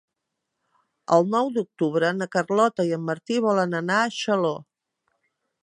El nou d'octubre na Carlota i en Martí volen anar a Xaló.